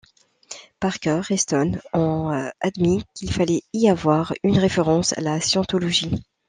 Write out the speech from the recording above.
Parker et Stone ont admis qu'il fallait y voir une référence à la Scientologie.